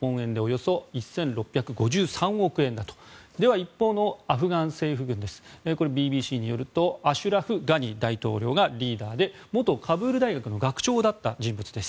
一方のアフガン政府軍はＢＢＣによるとアシュラフ・ガニ大統領がリーダーで元カブール大学の学長だった人物です。